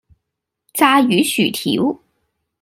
炸魚薯條